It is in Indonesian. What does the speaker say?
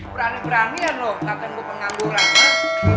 berani beranian loh takkan gua pengangguran ha